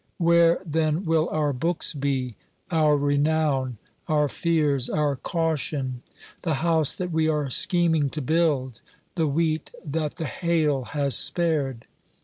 Where then will our books be ; our renown, our fears, our caution ; the house that we are scheming to build ; the wheat that the hail has spared